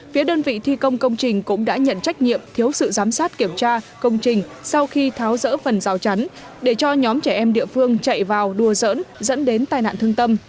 phía đơn vị thi công công trình cũng đã nhận trách nhiệm thiếu sự giám sát kiểm tra công trình sau khi tháo rỡ phần rào chắn để cho nhóm trẻ em địa phương chạy vào đùa dỡn dẫn đến tai nạn thương tâm